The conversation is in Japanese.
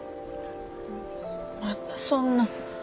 またそんな。